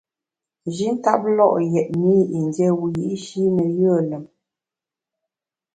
Nji tap lo’ yètne i yin té wiyi’shi ne yùe lùm.